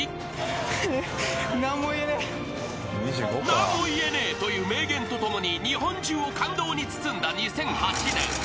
［「なんも言えねぇ」という名言とともに日本中を感動に包んだ２００８年］